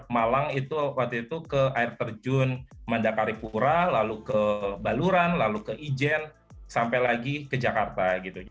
malang itu waktu itu ke air terjun mandakaripura lalu ke baluran lalu ke ijen sampai lagi ke jakarta